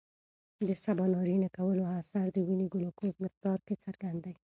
د سباناري نه کولو اثر د وینې ګلوکوز مقدار کې څرګند دی.